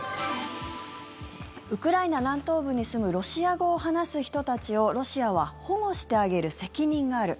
ウクライナ南東部に住むロシア語を話す人たちをロシアは保護してあげる責任がある。